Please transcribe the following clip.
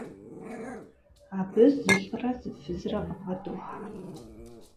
Абы зылӏрэ зы фызрэ къыбгъэдохьэ.